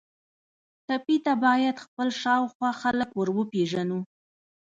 ټپي ته باید خپل شاوخوا خلک وروپیژنو.